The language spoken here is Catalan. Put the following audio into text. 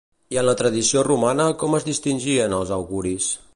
I en la tradició romana com es distingien els auguris?